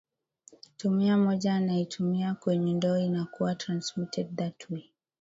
tumia moja anaitumia mwengine ndoo inakuwa transmitted that way